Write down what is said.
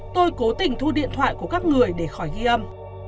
tôi cố tình thu điện thoại của các người để khỏi ghi âm